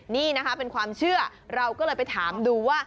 นี่นะคะเป็นความเชื่อเราก็เลยไปถามดูว่า